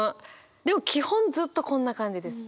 でも基本ずっとこんな感じです。